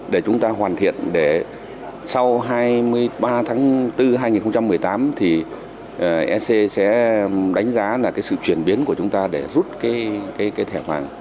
để chúng ta hoàn thiện để sau hai mươi ba tháng bốn hai nghìn một mươi tám thì ec sẽ đánh giá là cái sự chuyển biến của chúng ta để rút cái thẻ vàng